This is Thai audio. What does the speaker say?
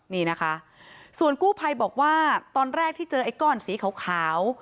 นี่นะคะส่วนกู้ภัยบอกว่าตอนแรกที่เจอไอ้ก้อนสีขาว